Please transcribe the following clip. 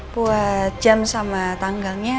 buat jam sama tanggalnya